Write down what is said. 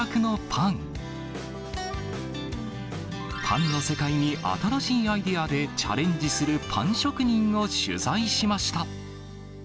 パンの世界に新しいアイデアでチャレンジするパン職人を取材しました。